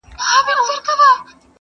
وارخطا سو ویل څه غواړې په غره کي،